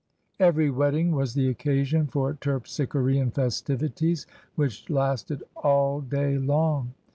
Every wedding was the occasion for terpsichorean festivities which lasted all day long.